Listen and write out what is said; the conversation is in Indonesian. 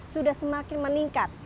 sudah semakin meningkat